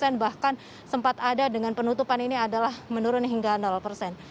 omsetnya bukan menurun dua puluh atau tiga puluh persen bahkan sempat ada dengan penutupan ini adalah menurun hingga persen